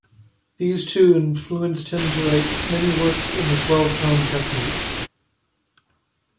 These two influenced him to write many works in the twelve-tone technique.